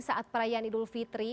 saat perayaan idul fitri